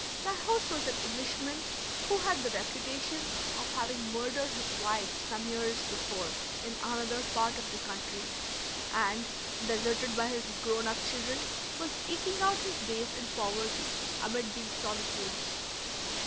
Their host was an Englishman, who had the reputation of having murdered his wife some years before in another part of the country, and, deserted by his grown up children, was eking out his days in poverty amid these solitudes.